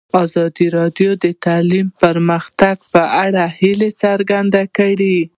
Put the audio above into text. ازادي راډیو د تعلیم د پرمختګ په اړه هیله څرګنده کړې.